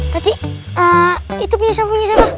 tadi itu punya siapa